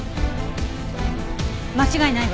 間違いないわ。